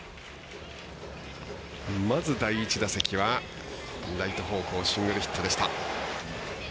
まず第１打席はライト方向シングルヒットでした。